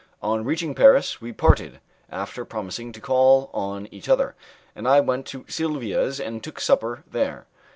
On reaching Paris we parted, after promising to call on each other, and I went to Silvia's and took supper there.